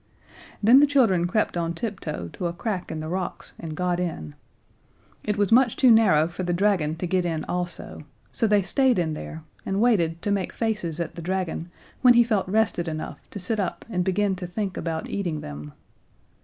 Then the children crept on tiptoe to a crack in the rocks and got in. It was much too narrow for the dragon to get in also, so they stayed in there and waited to make faces at the dragon when he felt rested enough to sit up and begin to think about eating them.